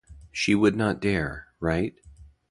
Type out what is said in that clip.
She would not dare, right?